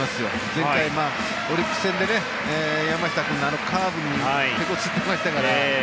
前回、オリックス戦で山下君のあのカーブに手こずってましたから。